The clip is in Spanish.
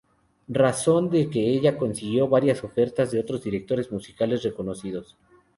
Razón de que ella consiguió varias ofertas de otros directores musicales reconocidos.